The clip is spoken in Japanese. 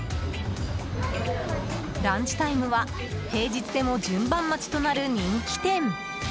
ランチタイムは平日でも順番待ちとなる人気店。